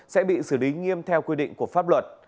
sẽ bị xử lý nghiêm theo quy định của pháp luật